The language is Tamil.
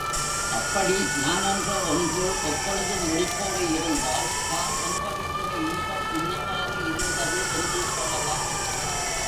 அப்படி நான் என்ற ஒன்று எப்பொழுதும் விழிப்போடு இருந்தால், தான் அநுபவிக்கிற இன்பம் இன்னவாறு இருந்தது என்று சொல்லலாம்.